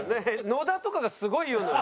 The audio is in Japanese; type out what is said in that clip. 野田とかがすごい言うのよ。